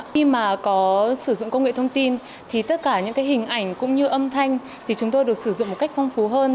khi mà có sử dụng công nghệ thông tin thì tất cả những hình ảnh cũng như âm thanh thì chúng tôi được sử dụng một cách phong phú hơn